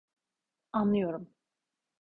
Anlıyorum...